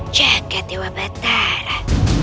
jaga dewa batara